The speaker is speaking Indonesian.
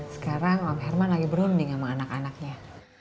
sekarang om herman lagi berunding sama anak anaknya